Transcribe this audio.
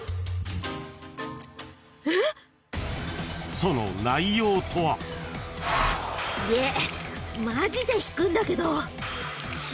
［その内容とは］えっ！！